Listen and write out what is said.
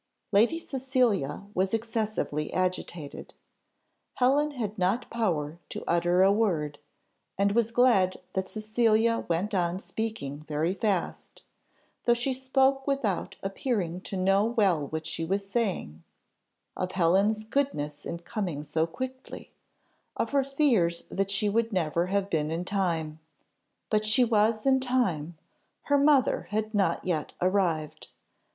Lady Cecilia was excessively agitated. Helen had not power to utter a word, and was glad that Cecilia went on speaking very fast; though she spoke without appearing to know well what she was saying: of Helen's goodness in coming so quickly, of her fears that she would never have been in time "but she was in time, her mother had not yet arrived.